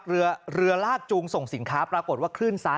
เรือเรือลากจูงส่งสินค้าปรากฏว่าคลื่นซ้า